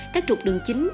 các trục đường chính